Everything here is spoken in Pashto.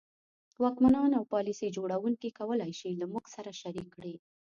واکمنان او پالیسي جوړوونکي کولای شي له موږ سره شریک کړي.